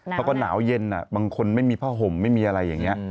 เขาก็หนาวเย็นบางคนไม่มีผ้าห่มไม่มีอะไรอย่างนี้